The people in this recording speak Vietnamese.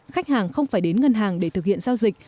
khách hàng không phải đến ngân hàng để thực hiện giao dịch